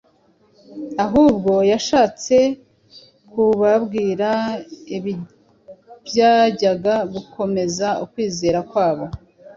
ahubwo yashatse kubabwira ibyajyaga gukomeza ukwizera kwabo,